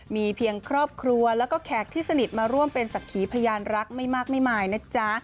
มีเพียงครอบครัวแล้วก็แขกที่สนิทมาร่วมเป็นศักดิ์ขีพยานรักไม่มากไม่มายนะจ๊ะ